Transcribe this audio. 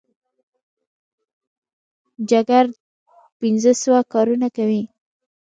جګر پنځه سوه کارونه کوي.